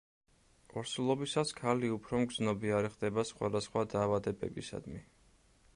ორსულობისას ქალი უფრო მგრძნობიარე ხდება სხვადასხვა დაავადებებისადმი.